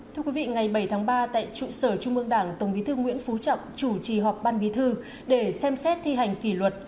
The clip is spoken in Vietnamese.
thưa quý vị ngày bảy tháng ba tại trụ sở trung mương đảng tổng bí thư nguyễn phú trọng chủ trì họp ban bí thư để xem xét thi hành kỷ luật